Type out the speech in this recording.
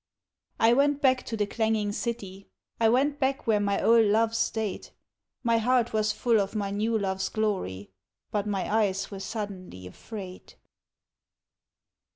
... I went back to the clanging city, I went back where my old loves stayed, My heart was full of my new love's glory, But my eyes were suddenly afraid.